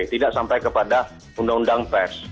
tidak sampai kepada undang undang pers